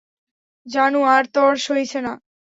জানু, আর তর সইছে না।